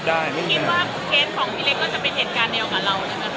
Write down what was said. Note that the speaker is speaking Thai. คิดว่าเกณฑ์ของพี่เล็กก็จะเป็นเหตุการณ์เดียวกับเรานะครับ